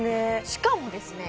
しかもですね